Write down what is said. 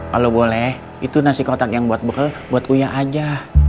kalau boleh itu nasi kotak yang buat bekal buat kue aja